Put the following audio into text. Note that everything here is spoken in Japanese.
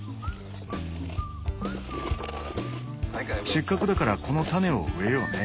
せっかくだからこの種を植えようね。